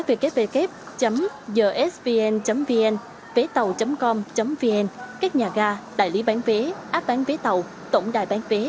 www jsvn vn vétàu com vn các nhà ga đại lý bán vé app bán vé tàu tổng đài bán vé